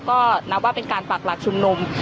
ก็นับว่าเป็นการปักหลักชุมนุม